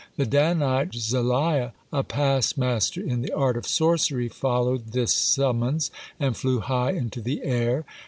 The Danite Zaliah, a past master in the art of sorcery, followed this summons, and flew high into the air.